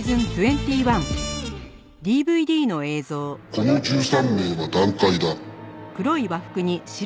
この１３名は団塊だ。